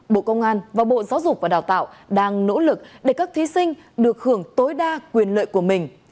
bộ công an và bộ giáo dục và đào tạo đang nỗ lực để các thí sinh được hưởng tối đa quyền lợi của mình